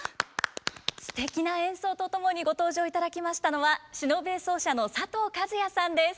すてきな演奏と共にご登場いただきましたのは篠笛奏者の佐藤和哉さんです。